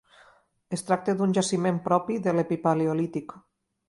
Es tracta d'un jaciment propi de l'epipaleolític.